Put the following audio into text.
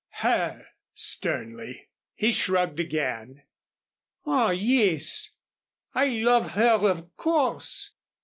"Her," sternly. He shrugged again, "Ah, yes I love her of course!